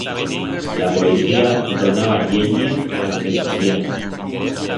La policía donaba llenya a'ls estudiants.